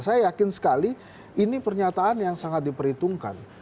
saya yakin sekali ini pernyataan yang sangat diperhitungkan